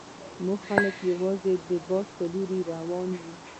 زموږ خلک یوازې د باد په لور روان وي.